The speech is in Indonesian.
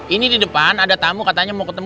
ini di depan ada tamu katanya mau ke sana ya